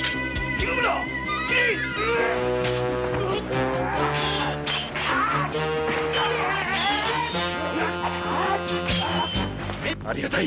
斬れ‼ありがたい！